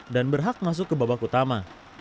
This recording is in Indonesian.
dan berhak masuk ke babak utama